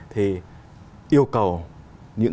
thì yêu cầu